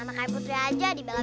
anak anak putri aja dibela belain